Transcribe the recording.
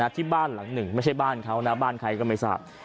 ที่บ้านหลังหนึ่งไม่ใช่บ้านเขานะบ้านใครก็ไม่ทราบ